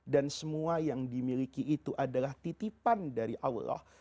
dan semua yang dimiliki itu adalah titipan dari allah